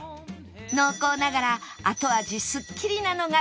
濃厚ながら後味スッキリなのが特徴